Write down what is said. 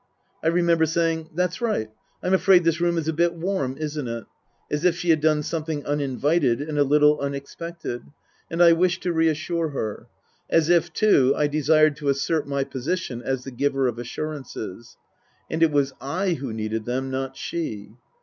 I remember saying, " That's right. I'm afraid this room is a bit warm, isn't it ?" as if she had done some thing uninvited and a little unexpected, and I wished to reassure her. As if, too, I desired to assert my position as the giver of assurances. (And it was I who needed them, not she.)